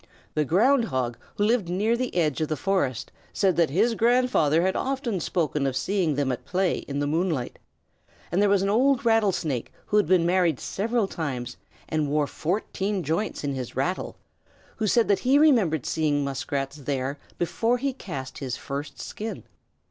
The Ground Hog who lived near the edge of the forest said that his grandfather had often spoken of seeing them at play in the moonlight; and there was an old Rattlesnake who had been married several times and wore fourteen joints in his rattle, who said that he remembered seeing Muskrats there before he cast his first skin.